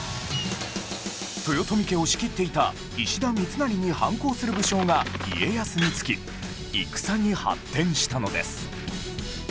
豊臣家を仕切っていた石田三成に反抗する武将が家康につき戦に発展したのです